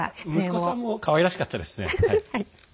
息子さんもかわいらしかったですね。